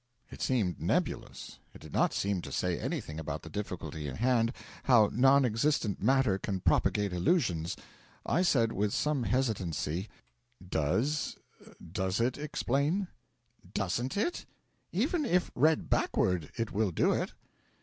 It seemed nebulous: it did not seem to say anything about the difficulty in hand how non existent matter can propagate illusions. I said, with some hesitancy: 'Does does it explain?' 'Doesn't it? Even if read backward it will do it.'